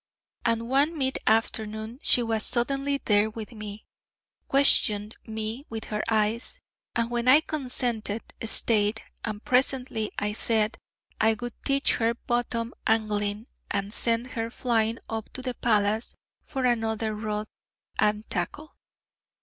And one mid afternoon she was suddenly there with me, questioned me with her eyes, and when I consented, stayed: and presently I said I would teach her bottom angling, and sent her flying up to the palace for another rod and tackle.